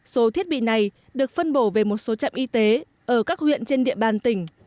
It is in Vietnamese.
số thiết bị này được phân bổ về một số trạm y tế ở các huyện trên địa bàn tỉnh